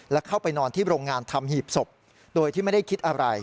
และเข้าไปนอนที่โรงงานทำหีบศพโดยที่ไม่ได้คิดอะไร